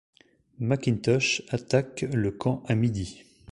McIntosh attaque le camp à midi.